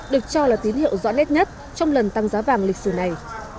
được cho là tín hiệu rõ nét nhất trong lần tăng giá vàng lịch sử này